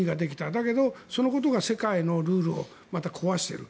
だけど、そのことが世界のルールを壊している。